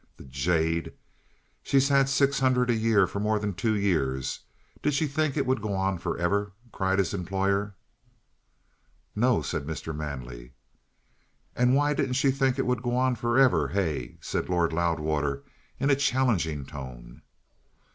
"The jade! She's had six hundred a year for more than two years. Did she think it would go on for ever?" cried his employer. "No," said Mr. Manley. "And why didn't she think it would go on for ever? Hey?" said Lord Loudwater in a challenging tone.